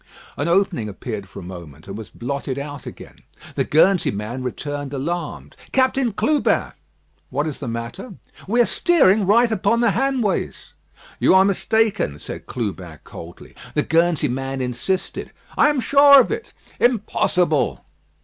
An opening appeared for a moment, and was blotted out again. The Guernsey man returned alarmed. "Captain Clubin!" "What is the matter?" "We are steering right upon the Hanways." "You are mistaken," said Clubin, coldly. The Guernsey man insisted. "I am sure of it." "Impossible."